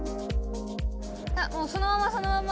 もうそのままそのまま！